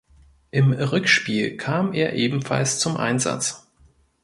Im Rückspiel kam er ebenfalls zum Einsatz.